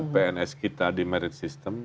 pns kita di merit system